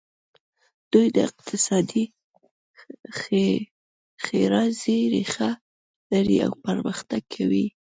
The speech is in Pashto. دوی د اقتصادي ښېرازۍ ریښه لري او پرمختګ کوي.